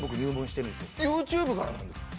ＹｏｕＴｕｂｅからなんですか？